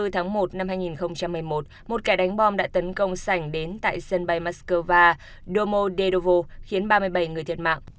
hai mươi tháng một năm hai nghìn một mươi một một kẻ đánh bom đã tấn công sảnh đến tại sân bay moscow domodeo khiến ba mươi bảy người thiệt mạng